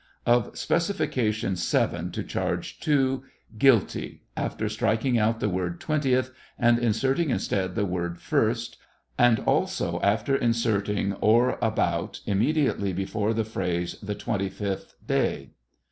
Of specification seven to charge II, "guilty," after striking out the word 808 TRIAL OF HENRY WIEZ. " twentieth," and inserting instead the word " first," and also after inserting " or about" Immediately before the phrase "the twenty fifth day."